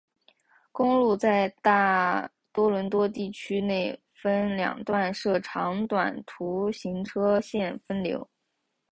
公路在大多伦多地区内分两段设长短途行车线分流。